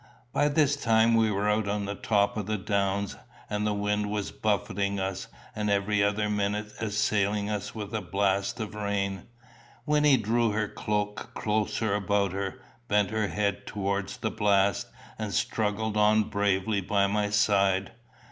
By this time we were on the top of the downs, and the wind was buffeting us, and every other minute assailing us with a blast of rain. Wynnie drew her cloak closer about her, bent her head towards the blast, and struggled on bravely by my side.